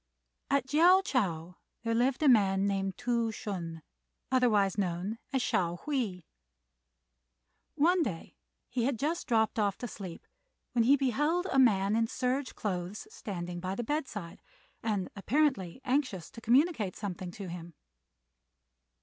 At Chiao chou there lived a man named Tou Hsün, otherwise known as Hsiao hui. One day he had just dropped off to sleep when he beheld a man in serge clothes standing by the bedside, and apparently anxious to communicate something to him.